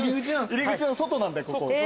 入り口の外なんでここ。